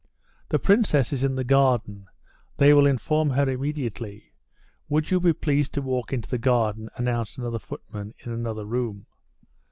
"The princess is in the garden; they will inform her immediately. Would you be pleased to walk into the garden?" announced another footman in another room.